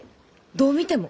どう見ても！